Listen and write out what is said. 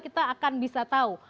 kita akan bisa tahu